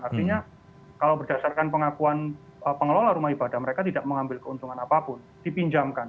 artinya kalau berdasarkan pengakuan pengelola rumah ibadah mereka tidak mengambil keuntungan apapun dipinjamkan